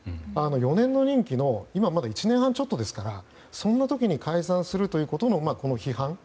４年の任期の今はまだ１年ちょっとですからそんな時に解散することの批判。